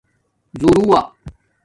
زورُوا